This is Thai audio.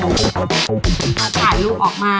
พอถ่ายรูปออกมา